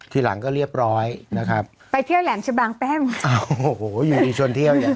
ทีหลังก็เรียบร้อยนะครับไปเที่ยวแหลมชะบังแต้มอ้าวโอ้โหอยู่ดีชวนเที่ยวเนี่ย